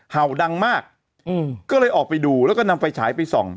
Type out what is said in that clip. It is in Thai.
เห่าดังมากก็เลยออกไปดูแล้วก็นำไฟฉายไปส่อง